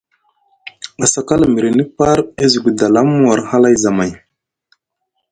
Asakal mrini par e zugi dalam war hlay zamay.